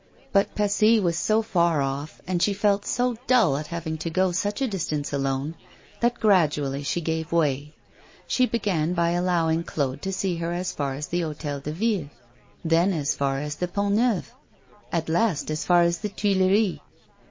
But Passy was so far off, and she felt so dull at having to go such a distance alone, that gradually she gave way. She began by allowing Claude to see her as far as the Hôtel de Ville; then as far as the Pont Neuf; at last as far as the Tuileries.